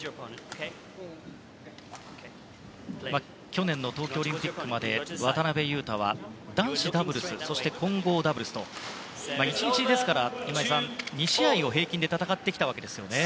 去年の東京オリンピックまで渡辺勇大は男子ダブルス、混合ダブルスと１日２試合を平均で戦ってきたわけですね。